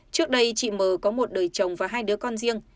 trước đây chị m có một đời chồng và hai đứa con riêng